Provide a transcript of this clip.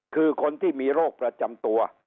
คือคนที่มีโรคประจำตัว